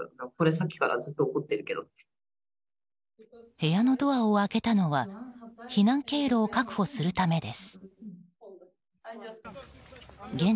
部屋のドアを開けたのは避難経路を確保するためです。